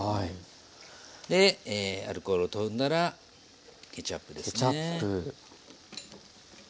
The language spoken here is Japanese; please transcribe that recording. でアルコールとんだらケチャップですね。